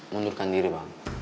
mundurkan diri bang